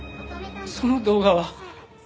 その動画は。